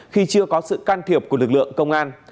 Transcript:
khi chưa có sự can thiệp của lực lượng công an